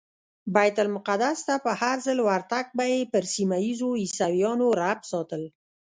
بیت المقدس ته په هرځل ورتګ به یې پر سیمه ایزو عیسویانو رعب ساتل.